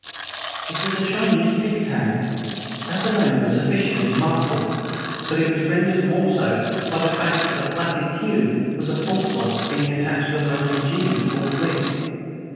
It was a Chinese pigtail. That alone was sufficiently remarkable; but it was rendered more so by the fact that the plaited queue was a false one being attached to a most ingenious bald wig.